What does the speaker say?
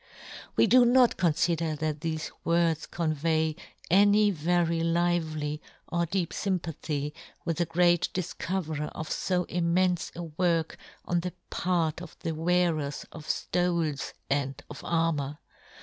" We do not confider that thefe words con vey any very lively or deep fympathy with the great difcoverer of fo im menfe a work on the part of the wearers of ftoles and of armour.